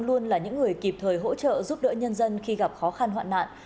luôn là những người kịp thời hỗ trợ giúp đỡ nhân dân khi gặp khó khăn hoạn nạn